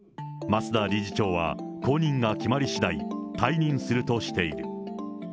増田理事長は後任が決まりしだい、退任するとしている。